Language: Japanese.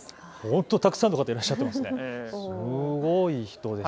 本当にたくさんの方いらっしゃいますね。